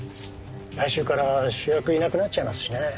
来週から主役いなくなっちゃいますしね。